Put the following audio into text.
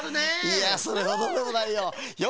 いやそれほどでもないよ。